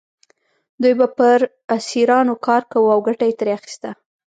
دوی به په اسیرانو کار کاوه او ګټه یې ترې اخیسته.